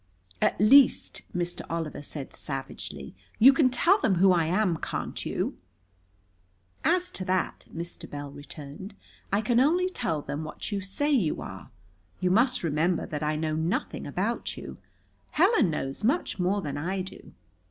"At least," Mr. Oliver said savagely, "you can tell them who I am, can't you?" "As to that," Mr. Bell returned, "I can only tell them what you say you are. You must remember that I know nothing about you. Helen knows much more than I do."